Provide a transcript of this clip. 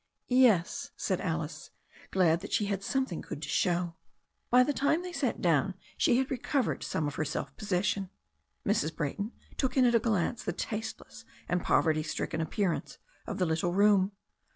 "Yes," said Alice, glad that she had something good to show. By the time they sat down she had recovered some of her self possession. Mrs. Brayton took in at a glance the tasteless and pov erty stricken appearance of the little room.